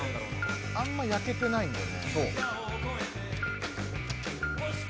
あんま焼けてないんだよね。